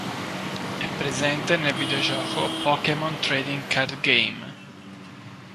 È presente nel videogioco "Pokémon Trading Card Game".